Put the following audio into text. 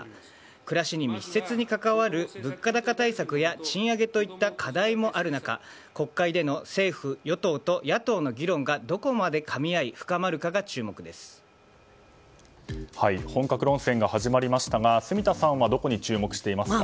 暮らしに密接に関わる物価高対策や賃上げといった課題もある中国会での政府・与党と野党の議論がどこまでかみ合い本格論戦が始まりましたが住田さんはどこに注目していますか？